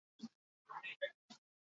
Jauzi txikiak emanez ibiltzen da.